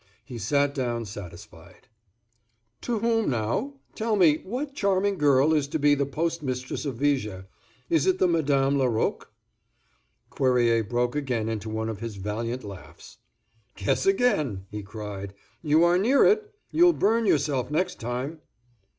He sat down satisfied. "To whom now—tell me what charming girl is to be the postmistress of Viger; is it the Madame Laroque?" Cuerrier broke again into one of his valiant laughs. "Guess again," he cried, "you are near it. You'll burn yourself next time."